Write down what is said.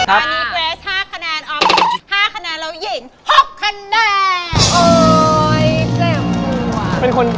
ตอนนี้เกรส๕คะแนนออฟ๕คะแนนแล้วหญิง๖คะแนน